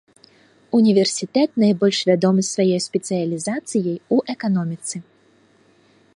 Універсітэт найбольш вядомы сваёй спецыялізацыяй у эканоміцы.